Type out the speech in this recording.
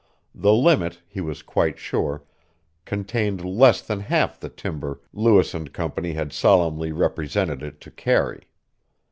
The limit, he was quite sure, contained less than half the timber Lewis and Company had solemnly represented it to carry.